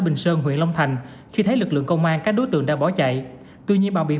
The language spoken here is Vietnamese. bình sơn huyện long thành khi thấy lực lượng công an các đối tượng đã bỏ chạy tuy nhiên bằng biện